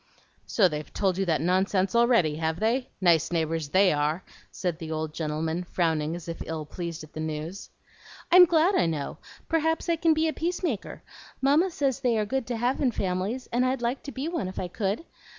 "So they've told you that nonsense already, have they? Nice neighbors THEY are," said the old gentleman, frowning as if ill pleased at the news. "I'm glad I know; p'r'aps I can be a peace maker. Mamma says they are good to have in families, and I'd like to be one if I could.